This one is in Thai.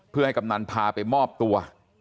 เพื่อให้กำนันพาไปมอบตัว